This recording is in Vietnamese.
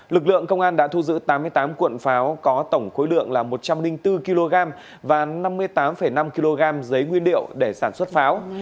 lực lượng công an đã thu giữ tám mươi tám cuộn pháo có tổng khối lượng là một trăm linh bốn kg và năm mươi tám năm kg giấy nguyên liệu để sản xuất pháo